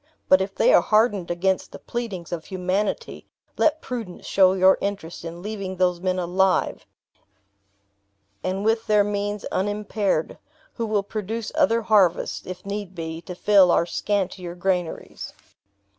But if they are hardened against the pleadings of humanity, let prudence show your interest in leaving those men alive, and with their means unimpaired, who will produce other harvests, if need be, to fill our scantier granaries.